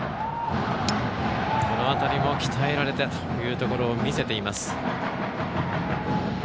この辺りも鍛えられているところを見せています。